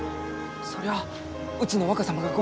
そりゃあうちの若様がご迷惑を。